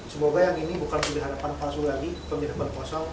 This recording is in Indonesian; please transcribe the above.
semoga yang ini bukan perharapan palsu lagi pemirapan kosong